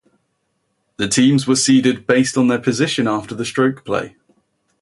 The teams were seeded based on their position after the stroke play.